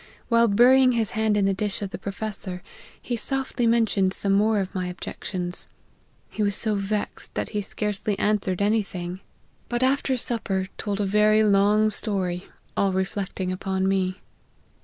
While burying hia hand in the dish of the professor, he softly men tioned some more of my objections. He was so vexed, that he scarcely answered any thing; but 148 LIFE OF HENRY MARTYN. after supper, told a very long story, all reflecting upon me."